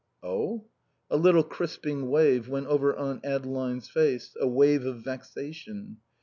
"Oh?" A little crisping wave went over Aunt Adeline's face, a wave of vexation.